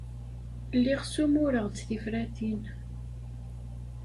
Lliɣ ssumureɣ-d tifratin.